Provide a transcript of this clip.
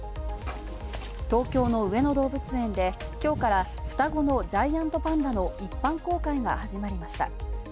東京の上野動物園で、きょうから双子のジャイアントパンダの一般公開が始まりました。